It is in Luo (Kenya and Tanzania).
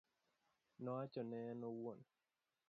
Nowacho ne en owuon.